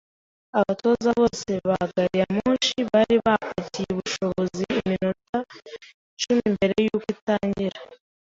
Abatoza bose ba gari ya moshi bari bapakiye ubushobozi iminota icumi mbere yuko itangira.